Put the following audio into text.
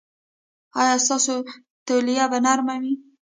ایا ستاسو تولیه به نرمه وي؟